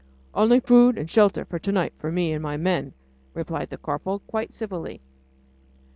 "Only food and shelter for to night for me and my men," replied the corporal, quite civilly.